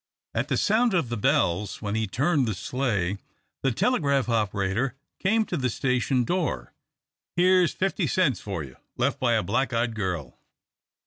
At the sound of the bells when he turned the sleigh, the telegraph operator came to the station door. "Here's fifty cents for you, left by a black eyed girl."